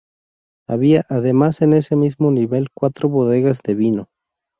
Había, además, en ese mismo nivel cuatro bodegas de vino.